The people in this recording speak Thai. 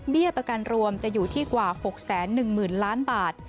ประกันรวมจะอยู่ที่กว่า๖๑๐๐๐ล้านบาท